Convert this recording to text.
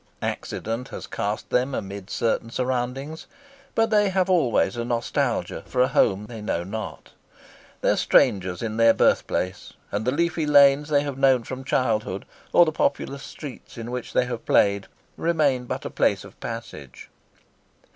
Accident has cast them amid certain surroundings, but they have always a nostalgia for a home they know not. They are strangers in their birthplace, and the leafy lanes they have known from childhood or the populous streets in which they have played, remain but a place of passage.